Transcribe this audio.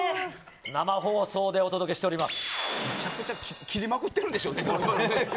生放送でお届けしております。